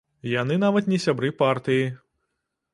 Яны нават не сябры партыі.